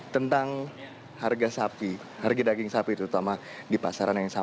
tentang harga sapi harga daging sapi terutama di pasaran yang sama